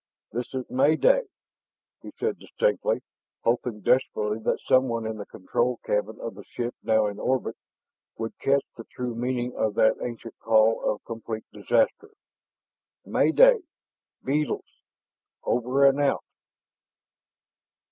"This is Mayday!" he said distinctly, hoping desperately that someone in the control cabin of the ship now in orbit would catch the true meaning of that ancient call of complete disaster. "Mayday beetles over and out!"